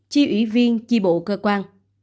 chi ủy viên chi bộ cơ quan